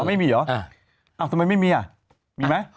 ไม่มีหรอสมัยไม่มีอ่ะมีไหม